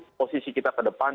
posisi kita ke depan